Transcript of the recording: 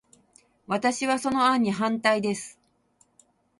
私は、その案に反対です。